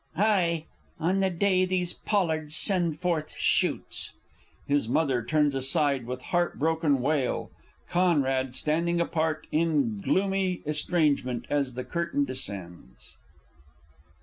_) Aye on the day these pollards send forth shoots! [His Mother turns aside with a heartbroken wail; CONRAD _standing apart in gloomy estrangement as the Curtain descends.